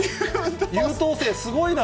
優等生、すごいな。